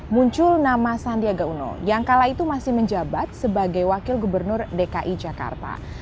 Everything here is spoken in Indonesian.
muncul nama sandiaga uno yang kala itu masih menjabat sebagai wakil gubernur dki jakarta